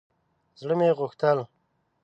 زړه مې غوښتل